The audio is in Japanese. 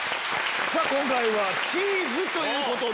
今回はチーズということで。